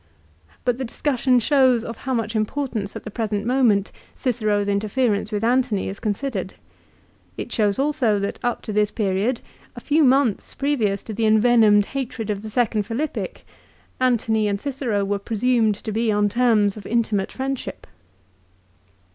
But the discussion shows of how much importance at the present moment Cicero's interference with Antony is considered. It shows also that up to this period, a few months previous to the envenomed hatred of the second Philippic, Antony and Cicero were presumed to be on terms of intimate friendship.